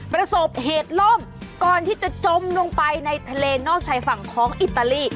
ประสบเหตุล่มก่อนที่จะจมลงไปในทะเลนอกชายฝั่งของอิตาลี